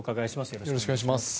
よろしくお願いします。